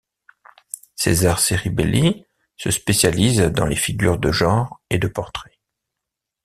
César Ceribelli se spécialise dans les figures de genre et de portrait.